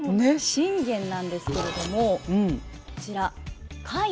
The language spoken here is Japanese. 信玄なんですけれどもこちら甲斐